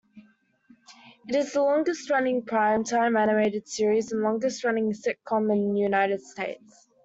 It is the longest-running prime-time animated series and longest-running sitcom in the United States.